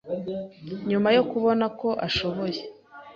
nyuma yo kubona ko ashoboye